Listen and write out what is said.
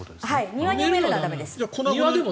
庭に埋めるのは駄目です。